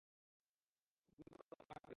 কবিতাও রচনা করেছেন।